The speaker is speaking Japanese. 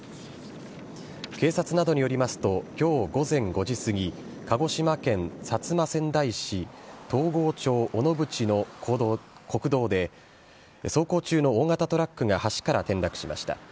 警察などによりますと、きょう午前５時過ぎ、鹿児島県薩摩川内市東郷町斧渕の国道で、走行中の大型トラックが橋から転落しました。